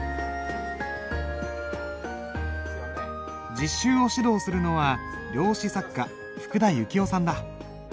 実習を指導するのは料紙作家福田行雄さんだ。